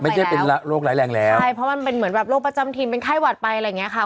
ไม่ได้เป็นโรคร้ายแรงแล้วใช่เพราะมันเป็นเหมือนแบบโรคประจำถิ่นเป็นไข้หวัดไปอะไรอย่างเงี้ยค่ะ